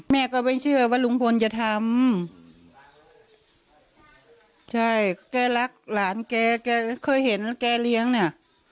แม่ก็ไม่เชื่อว่าลุงพลจะทำใช่แกรักหลานแกแกเคยเห็นแกเลี้ยงเนี่ย